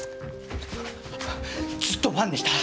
ずっとファンでした。